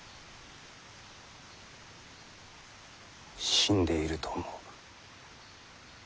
死んでいると思う。